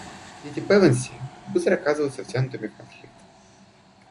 Дети Пэвенси быстро оказываются втянутыми в конфликт.